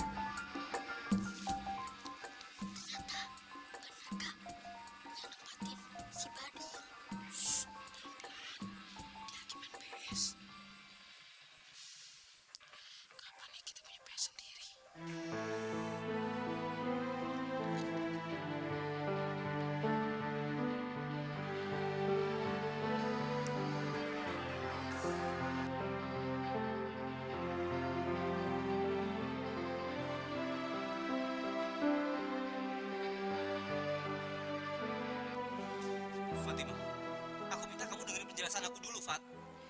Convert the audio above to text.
fat fatimah dengerin aku dulu fat